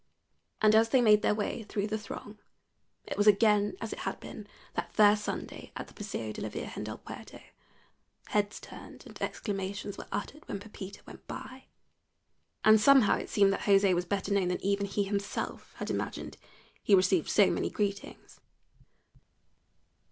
And as they made their way through the throng, it was again as it had been that first Sunday at the Paseo de la Virgen del Puerto, heads turned and exclamations were uttered when Pepita went by. And somehow it seemed that José was better known than even he himself had imagined, he received so many greetings.